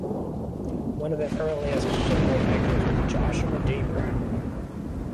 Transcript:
One of the earliest shinglemakers was Joshua D. Brown.